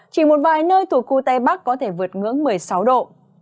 chỉ một vài nơi thuộc khu tây bắc có thể vượt ngưỡng một mươi sáu độ